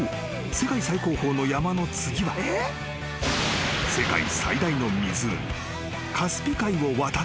世界最高峰の山の次は世界最大の湖カスピ海を渡ってみることに］